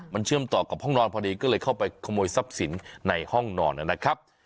มันเชื่อมต่อกับห้องนอนพอดีก็เลยเข้าไปขโมยทรัพย์สินในห้องนอนนะครับ